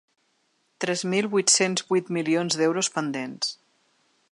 Tres mil vuit-cents vuit milions d’euros pendents.